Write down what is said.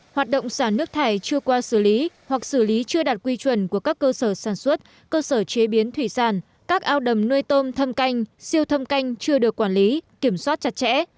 hoạt động xả nước thải chưa qua xử lý hoặc xử lý chưa đạt quy chuẩn của các cơ sở sản xuất cơ sở chế biến thủy sản các ao đầm nuôi tôm thâm canh siêu thâm canh chưa được quản lý kiểm soát chặt chẽ